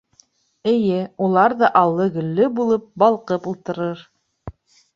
— Эйе, улар ҙа аллы-гөллө булып балҡып ултырыр.